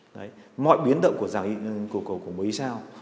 đấy mọi biến động của giảng hình cổ cổ của mối sao